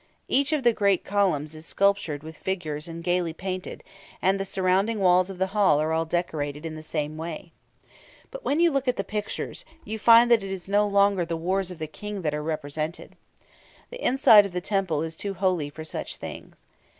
Each of the great columns is sculptured with figures and gaily painted, and the surrounding walls of the hall are all decorated in the same way. But when you look at the pictures, you find that it is no longer the wars of the King that are represented. The inside of the temple is too holy for such things.